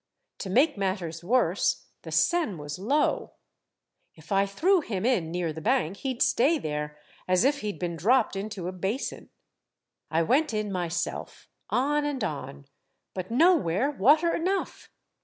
" To make matters worse, the Seine was low. If I threw him in near the bank, he 'd stay there, as if he 'd been dropped into a basin. I went in my self. On and on ! But nowhere water enough.